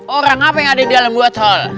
orang apa yang ada di dalam dua tol